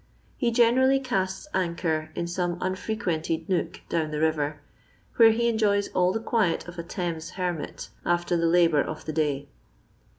He generally casts anchor in some unfrequented nook down the river, where he enjoys all the quiet of a Thaasf hermit, after the labour of the day.